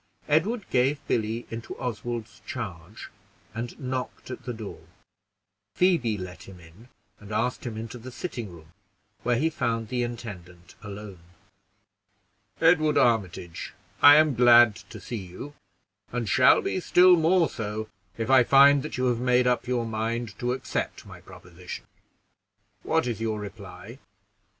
Edward gave Billy into Oswald's charge, and knocked at the door. Phoebe let him in, and asked him into the sitting room, where he found the intendant alone. "Edward Armitage, I am glad to see you, and shall be still more so if I find that you have made up your mind to accept my proposition. What is your reply?"